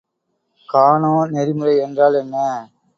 கானோ நெறிமுறை என்றால் என்ன?